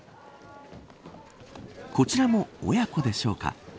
こちらも親子でしょうか。